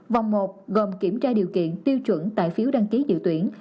vòng một gồm kiểm tra điều kiện tiêu chuẩn tại phiếu đăng ký dự tuyển